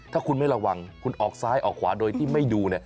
ถ้าคุณไม่ระวังคุณออกซ้ายออกขวาโดยที่ไม่ดู